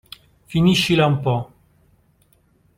Finiscila un po'.